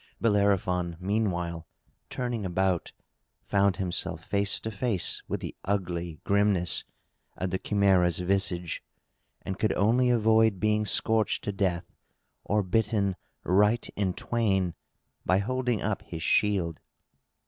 Bellerophon, meanwhile, turning about, found himself face to face with the ugly grimness of the Chimæra's visage, and could only avoid being scorched to death, or bitten right in twain, by holding up his shield.